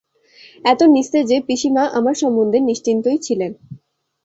এত নিস্তেজ যে, পিসিমা আমার সম্বন্ধে নিশ্চিন্তই ছিলেন।